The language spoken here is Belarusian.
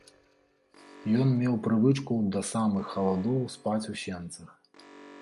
Ён меў прывычку да самых халадоў спаць у сенцах.